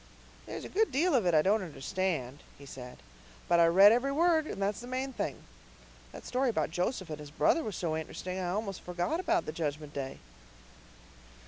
"There's a good deal of it I don't understand," he said, "but I read every word, and that's the main thing. That story about Joseph and his brother was so int'resting I almost forgot about the Judgment Day."